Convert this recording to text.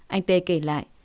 anh t kể lại